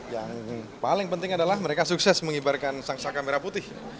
yang paling penting adalah mereka sukses mengibarkan sang saka merah putih